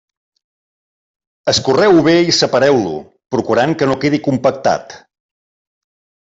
Escorreu-lo bé i separeu-lo, procurant que no quedi compactat.